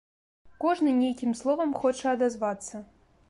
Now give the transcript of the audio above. Кожны нейкім словам хоча адазвацца.